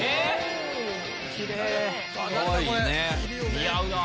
似合うなぁ。